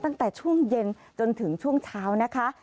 ตั้งแต่ช่วงเย็นจนถึงช่วงเช้านะคะ